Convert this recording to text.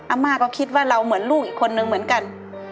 อาม่าก็คิดว่าเราเหมือนลูกอีกคนนึงเหมือนกัน